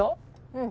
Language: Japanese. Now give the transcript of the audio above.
うん。